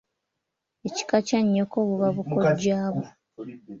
Ekika kya nnyoko buba bukojjabwo.